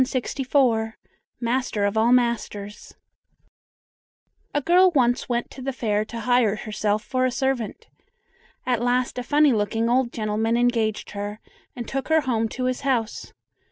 MASTER OF ALL MASTERS A girl once went to the fair to hire herself for a servant. At last a funny looking old gentleman engaged her, and took her home to his house.